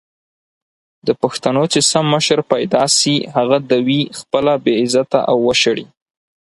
د پښتنو چې سم مشر پېدا سي هغه دوي خپله بې عزته او وشړي!